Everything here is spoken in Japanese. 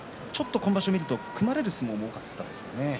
今場所、組まれる相撲が多かったですね。